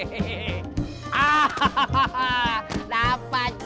hahaha dapet sih